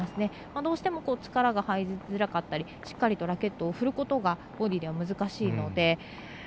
どうしても力が入りづらかったりしっかりとラケットを振ることがボディーは難しいので。